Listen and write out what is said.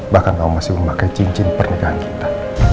bahkan kau masih memakai cincin pernikahan kita